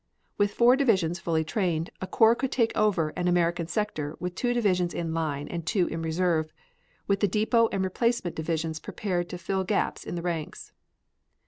With four divisions fully trained, a corps could take over an American sector with two divisions in line and two in reserve, with the depot and replacement divisions prepared to fill the gaps in the ranks.